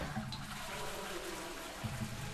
ما د خپل ورور سره په نوي کتابتون کې ولیدل.